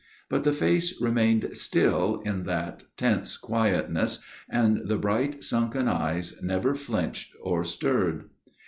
But the face remained still in that tense quietness,. and the bright sunken eyes never flinched or stirred.